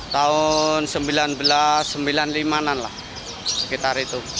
tahun seribu sembilan ratus sembilan puluh lima an lah sekitar itu